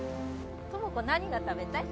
友子何が食べたい？